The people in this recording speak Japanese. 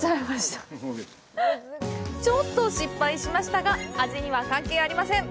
ちょっと失敗しましたが、味には関係ありません。